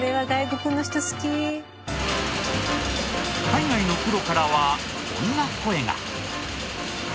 海外のプロからはこんな声が。